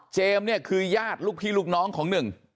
เนี่ยคือญาติลูกพี่ลูกน้องของหนึ่ง